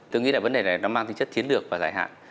tôi nghĩ là vấn đề này nó mang tính chất chiến lược và dài hạn